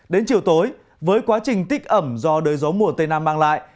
đến chiều tối với quá trình tích ẩm do đới gió mùa tây nam mang lại